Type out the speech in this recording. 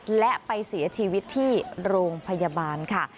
และไปเสียชีวิตที่โรงพยาบาลค่ะ